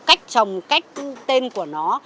cách trồng cách tên của nó